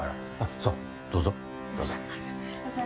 さあどうぞどうぞ。